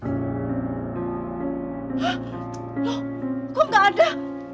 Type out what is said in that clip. lo kok gak ada